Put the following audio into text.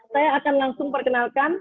saya akan langsung perkenalkan